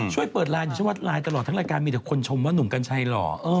ช่วยเปิดไลน์ดิฉันว่าไลน์ตลอดทั้งรายการมีแต่คนชมว่าหนุ่มกัญชัยหล่อ